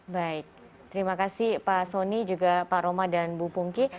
baik terima kasih pak soni juga pak roma dan bu pungki